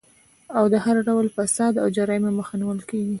او د هر ډول فساد او جرايمو مخه نيول کيږي